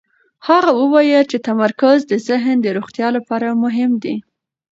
هغه وویل چې تمرکز د ذهن د روغتیا لپاره مهم دی.